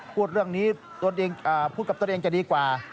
พูดเรื่องนี้พูดกับตนเองจะดีกว่า